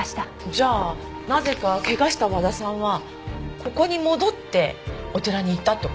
じゃあなぜか怪我した和田さんはここに戻ってお寺に行ったって事？